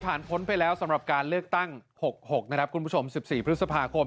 พ้นไปแล้วสำหรับการเลือกตั้ง๖๖นะครับคุณผู้ชม๑๔พฤษภาคม